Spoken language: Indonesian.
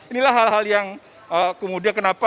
inilah hal hal yang kemudian kenapa